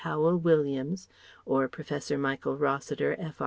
Howel Williams" (or "Professor Michael Rossiter, F.